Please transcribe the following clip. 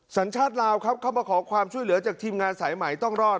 สัญชาติลาวครับเข้ามาขอความช่วยเหลือจากทีมงานสายใหม่ต้องรอด